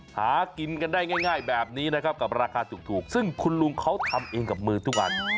หากินกันได้ง่ายแบบนี้นะครับกับราคาถูกซึ่งคุณลุงเขาทำเองกับมือทุกวัน